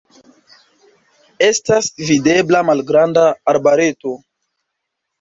Estas videbla malgranda arbareto.